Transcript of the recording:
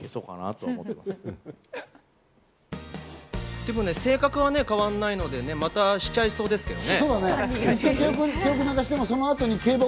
でもね、性格は変わんないので、またしちゃいそうですけどね。